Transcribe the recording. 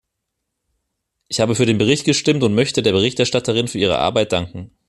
Ich habe für den Bericht gestimmt und möchte der Berichterstatterin für ihre Arbeit danken.